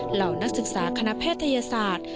เหล่านักศึกษาคณะแพทยศาสตร์